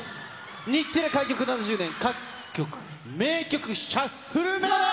日テレ開局７０年、各局名曲シャッフルメドレー。